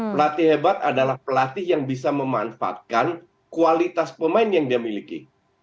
pelatih hebat adalah pelatih yang bisa memanfaatkan kualitas pemain yang dia miliki